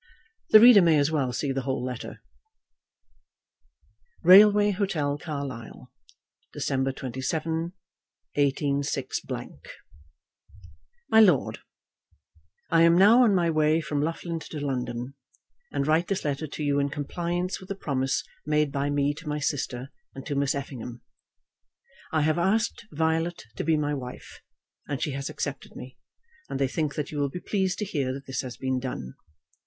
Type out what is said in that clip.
The reader may as well see the whole letter; Railway Hotel, Carlisle, December 27, 186 . MY LORD, I am now on my way from Loughlinter to London, and write this letter to you in compliance with a promise made by me to my sister and to Miss Effingham. I have asked Violet to be my wife, and she has accepted me, and they think that you will be pleased to hear that this has been done.